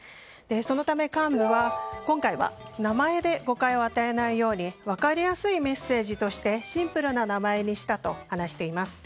そのため幹部は今回は名前で誤解を与えないように分かりやすいメッセージとしてシンプルな名前にしたと話しています。